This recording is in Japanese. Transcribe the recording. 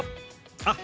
あっ